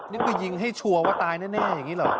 นี่คือยิงให้ชัวร์ว่าตายแน่อย่างนี้หรอ